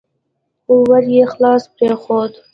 خو ور يې خلاص پرېښود.